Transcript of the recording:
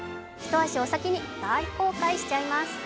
一足お先に大公開しちゃいます。